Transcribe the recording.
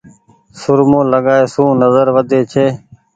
سرمو لگآئي سون نزر وڌي ڇي۔